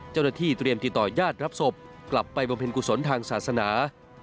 เจ้าหน้าที่เตรียมติดต่อยาดรับศพกลับไปบำเพ็ญกุศลทางศาสนา